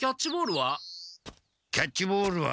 キャッチボールは？